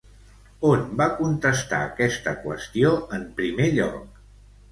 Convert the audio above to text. On va contestar aquesta qüestió en primer lloc?